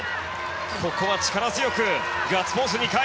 ここは力強くガッツポーズ２回！